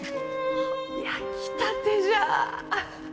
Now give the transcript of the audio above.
あ焼きたてじゃ！